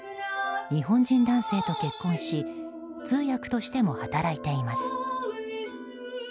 日本人男性と結婚し通訳としても働いています。